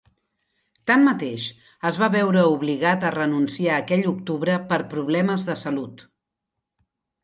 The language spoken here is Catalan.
Tanmateix, es va veure obligat a renunciar aquell octubre, per problemes de salut.